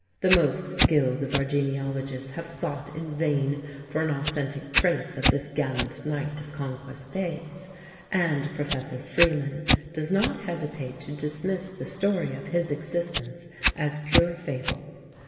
The most skilled of our genealogists have sought in vain for an authentic trace of this gallant knight of Conquest days; and Professor Freeman does not hesitate to dismiss the story of his existence as "pure fable."